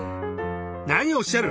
何をおっしゃる！